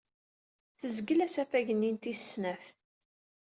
Tezgel asafag-nni n tis snat.